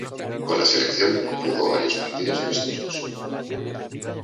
Con la selección, jugó varios partidos amistosos.